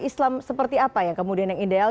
islam seperti apa yang kemudian yang ideal